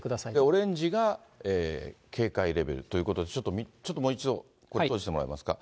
オレンジが警戒レベルということで、ちょっともう一度、こっちにしてもらえますか。